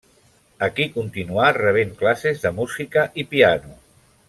Aquí continuà rebent classes de música i piano.